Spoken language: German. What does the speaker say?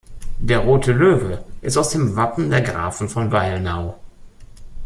Der rote Löwe ist aus dem Wappen der Grafen von Weilnau.